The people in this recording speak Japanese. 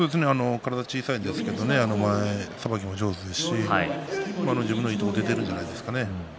体、小さいんですが前さばきも上手ですし自分のいいところが出ているのではないですか。